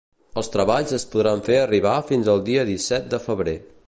Els treballs es podran fer arribar fins el dia disset de febrer.